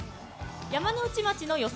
山ノ内町の予想